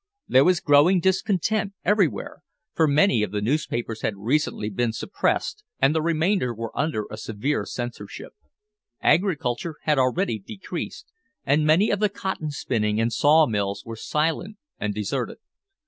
There was growing discontent everywhere, for many of the newspapers had recently been suppressed and the remainder were under a severe censorship; agriculture had already decreased, and many of the cotton spinning and saw mills were silent and deserted.